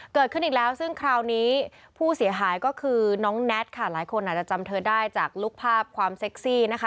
เกิดขึ้นอีกแล้วซึ่งคราวนี้ผู้เสียหายก็คือน้องแน็ตค่ะหลายคนอาจจะจำเธอได้จากลูกภาพความเซ็กซี่นะคะ